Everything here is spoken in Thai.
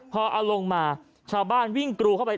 พอเอาลงมาชาวบ้านวิ่งกรูเข้าไป